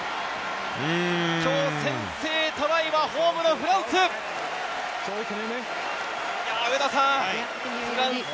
今日先制トライはホームのフランス。